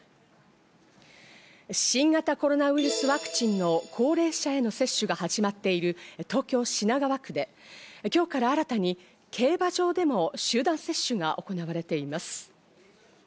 新型コロナウイルスワクチンの高齢者への接種が始まっている東京・品川区で、今日から新たに競馬場でも集団接種が行われています。